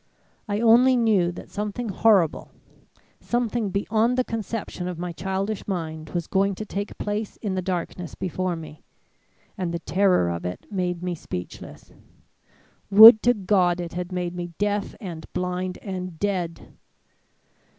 I only knew that something horrible something beyond the conception of my childish mind was going to take place in the darkness before me; and the terror of it made me speechless; would to God it had made me deaf and blind and dead!